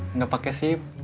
enggak pakai shift